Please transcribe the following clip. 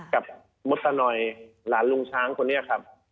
กับมดสนอยหลานลุงช้างคนนี้ครับ